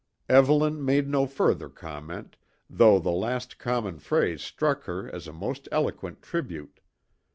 Evelyn made no further comment, though the last common phrase struck her as a most eloquent tribute.